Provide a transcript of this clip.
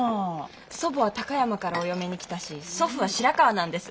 祖母は高山からお嫁に来たし祖父は白川なんです。